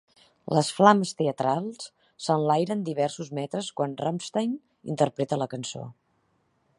Les flames teatrals s'enlairen diversos metres quan Rammstein interpreta la cançó.